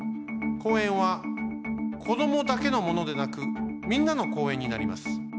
公園はこどもだけのものでなくみんなの公園になります。